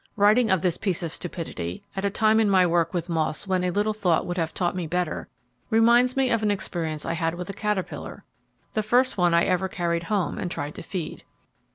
Writing of this piece of stupidity, at a time in my work with moths when a little thought would have taught me better, reminds me of an experience I had with a caterpillar, the first one I ever carried home and tried to feed.